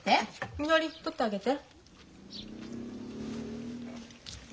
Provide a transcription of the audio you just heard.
みのり取ってあげて。